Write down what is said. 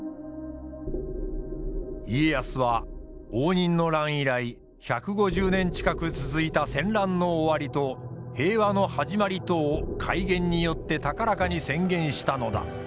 家康は応仁の乱以来１５０年近く続いた戦乱の終わりと平和の始まりとを改元によって高らかに宣言したのだ。